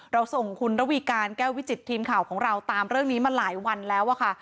เราส่งคุณระวีการแก้ววิจิตทีมข่าวของเราตามเรื่องนี้มาหลายวันแล้วอะค่ะ